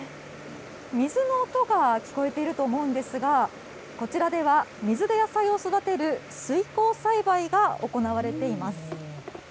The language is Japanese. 水の音が聞こえていると思うんですが、こちらでは水で野菜を育てる水耕栽培が行われています。